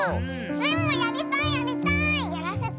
スイもやりたいやりたい！